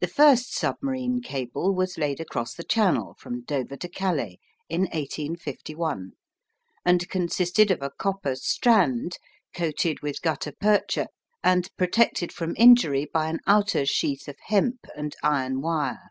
The first submarine cable was laid across the Channel from Dover to Calais in 1851, and consisted of a copper strand, coated with gutta percha, and protected from injury by an outer sheath of hemp and iron wire.